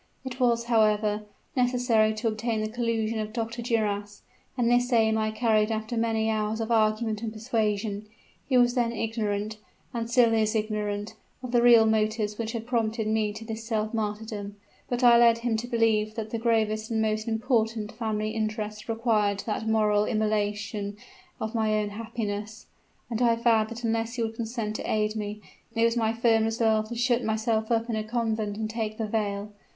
It was, however, necessary to obtain the collusion of Dr. Duras; and this aim I carried after many hours of argument and persuasion. He was then ignorant and still is ignorant of the real motives which had prompted me to this self martyrdom; but I led him to believe that the gravest and most important family interests required that moral immolation of my own happiness; and I vowed that unless he would consent to aid me, it was my firm resolve to shut myself up in a convent and take the veil.